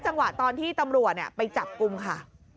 จังหวะตอนที่ตำรวจเนี่ยไปจับกุมค่ะ